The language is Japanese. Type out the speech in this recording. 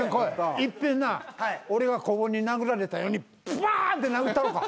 一遍な俺がここに殴られたようにバーンって殴ったろうか？